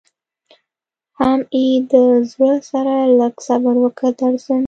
حم ای د زړه سره لږ صبر وکه درځم.